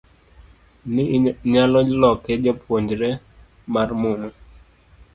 ni nyalo loke japuonjre mar muma